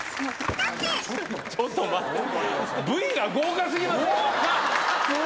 ちょっと待って！